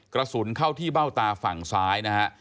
กระสุนเข้าที่เบ้าตาฝั่งซ้ายนะฮะ